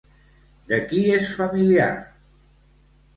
De qui és familiar?